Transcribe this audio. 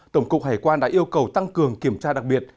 tổng cục hải quan đã yêu cầu tăng cường kiểm tra đặc biệt